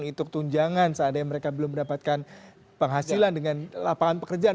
itu ketunjangan saat mereka belum mendapatkan penghasilan dengan lapangan pekerjaan